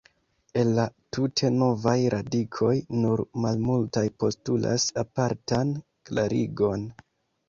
El la tute novaj radikoj, nur malmultaj postulas apartan klarigon.